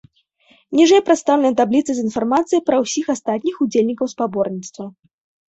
Ніжэй прадстаўлена табліца з інфармацыяй пра ўсіх астатніх удзельнікаў спаборніцтва.